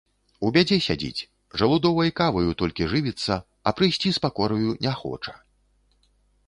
У бядзе сядзіць, жалудовай каваю толькі жывіцца, а прыйсці з пакораю не хоча.